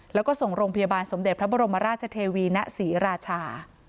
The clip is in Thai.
แล้วก็ส่งโรงพยาบาลสมเด็จพระบรมราชเทวีณศรีราชา